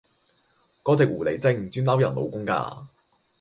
個隻狐狸精專勾人老公架